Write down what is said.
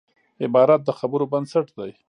عبارت د خبرو بنسټ دئ.